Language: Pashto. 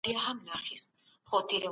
د پښتني هویت